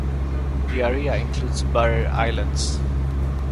The area includes barrier islands.